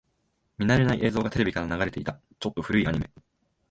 見慣れない映像がテレビから流れていた。ちょっと古いアニメ。